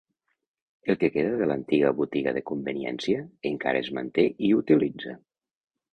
El que queda de l'antiga botiga de conveniència encara es manté i utilitza.